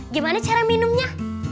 gimana cara minumnya